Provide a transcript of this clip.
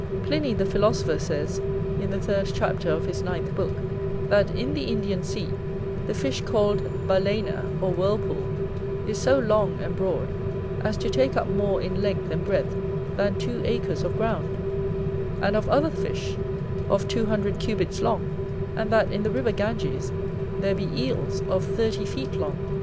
Pliny the philosopher says, in the third chapter of his ninth book, that in the Indian Sea, the fish called Balaena or Whirlpool, is so long and broad, as to take up more in length and breadth than two acres of ground; and, of other fish, of two hundred cubits long; and that in the river Ganges, there be Eels of thirty feet long.